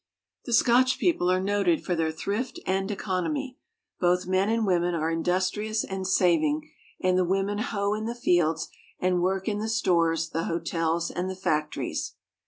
The Scotch people are noted for their thrift and economy. Both men and women are industrious and saving, and the women hoe in the fields and work in the stores, the hotels, and the factories.